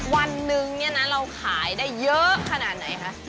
วันหนึ่งเนี่ยนะเราขายได้เยอะขนาดไหนคะ